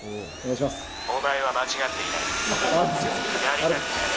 お前は間違っていない」。